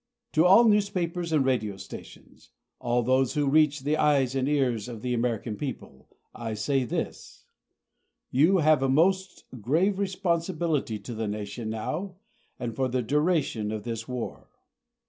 To all newspapers and radio stations all those who reach the eyes and ears of the American people I say this: You have a most grave responsibility to the nation now and for the duration of this war.